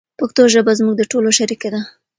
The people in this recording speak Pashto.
پښتو ژبه زموږ د ټولو شریکه ده.